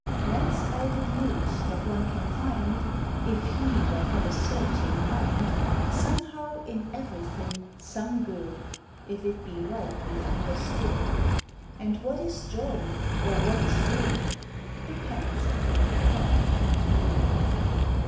Whence I deduce that one can find, If he but have a searching mind, Somehow in everything some good If it be rightly understood; And what is joy, or what is rue, Depends upon the point of view.